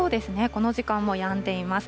この時間もやんでいます。